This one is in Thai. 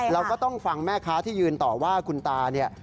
เราก็ต้องฟังแม่ค้าที่ยืนต่อว่าคุณตาเนี่ย